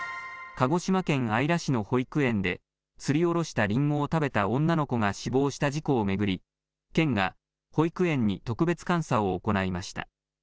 鹿児島県姶良市の保育園で、すりおろしたりんごを食べた女の子が死亡した事故を巡り、県が保育園に特別監査を行いました。